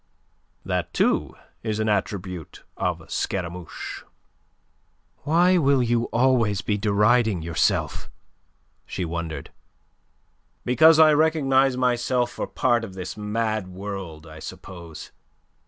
That, too, is an attribute of Scaramouche." "Why will you always be deriding yourself?" she wondered. "Because I recognize myself for part of this mad world, I suppose.